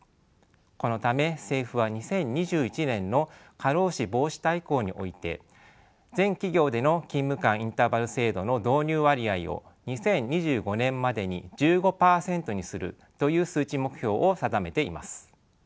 このため政府は２０２１年の過労死防止大綱において全企業での勤務間インターバル制度の導入割合を２０２５年までに１５％にするという数値目標を定めています。